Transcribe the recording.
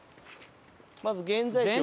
まず現在地は？